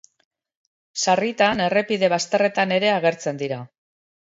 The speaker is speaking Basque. Sarritan errepide bazterretan ere agertzen dira.